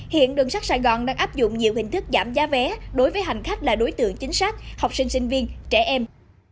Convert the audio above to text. hiện đường sắt sài gòn đang áp dụng nhiều hình thức giảm giá vé đối với hành khách là đối tượng chính sách học sinh sinh viên trẻ em